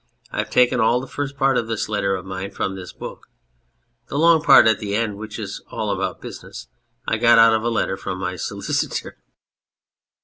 I have taken all the first part of this letter of mine from this book. The long part at the end which is all about business I got out of a letter from my solicitor.